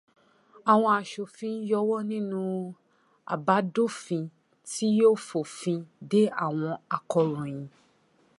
Àwọn aṣòfin yọwọ́ nínú àbádòfin tí yóò fòfin de àwọn akọ̀ròyìn.